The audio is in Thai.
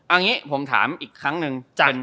เอางี้ผมถามอีกครั้งหนึ่ง